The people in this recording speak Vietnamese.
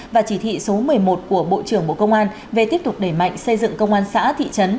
và chỉ thị số một mươi một của bộ trưởng bộ công an về tiếp tục đẩy mạnh xây dựng công an xã thị trấn